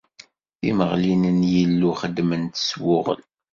Timeɣlin n yilu xedment s wuɣel.